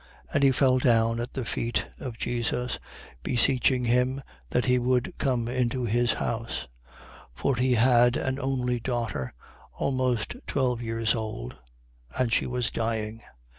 And he fell down at the feet of Jesus, beseeching him that he would come into his house: 8:42. For he had an only daughter, almost twelve years old, and she was dying.